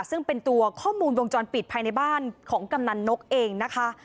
ซึ่งเป็นตัวข้อมูลวงจรปิดภายในบ้านของกำนันนกเองนะคะ